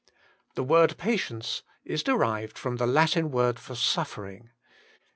The word patience is derived from the Latin word for suffering.